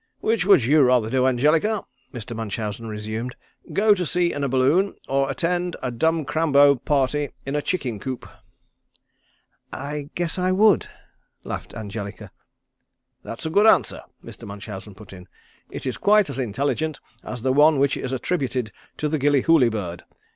"Which would you rather do, Angelica," Mr. Munchausen resumed, "go to sea in a balloon or attend a dumb crambo party in a chicken coop?" "I guess I would," laughed Angelica. "That's a good answer," Mr. Munchausen put in. "It is quite as intelligent as the one which is attributed to the Gillyhooly bird.